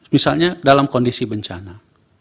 misalnya dalam kondisi bencana